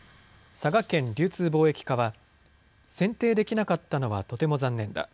佐賀県流通・貿易課は、選定できなかったのはとても残念だ。